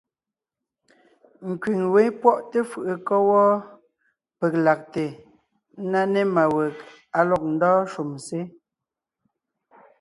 Nkẅíŋ wé pwɔ́ʼte fʉʼʉ kɔ́ wɔ́ peg lagte ńná ne má weg á lɔg ndɔ́ɔn shúm sé.